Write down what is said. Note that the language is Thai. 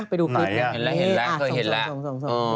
ไปดูคลิปกันเห็นแล้วเห็นแล้วเคยเห็นแล้ว